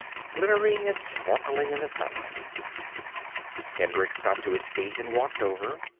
Glittering and sparkling in the sunlight. Hendricks got to his feet and walked over.